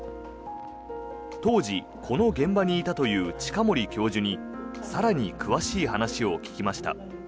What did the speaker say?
当時、この現場にいたという近森教授に更に詳しい話を聞きました。